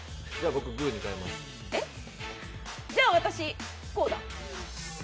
じゃあ、私、こうだ。